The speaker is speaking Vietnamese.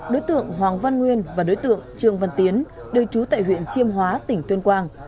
đối tượng hoàng văn nguyên và đối tượng trương văn tiến đều trú tại huyện chiêm hóa tỉnh tuyên quang